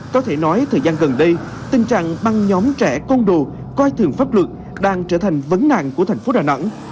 có thể nói thời gian gần đây tình trạng băng nhóm trẻ côn đồ coi thường pháp luật đang trở thành vấn nạn của thành phố đà nẵng